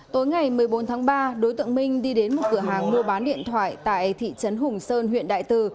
tối ngày một mươi bốn tháng ba đối tượng minh đi đến một cửa hàng mua bán điện thoại tại thị trấn hùng sơn huyện đại từ